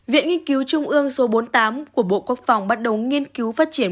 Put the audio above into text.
viện nghiên cứu trung ương số bốn mươi tám của bộ quốc phòng bắt đầu nghiên cứu phát triển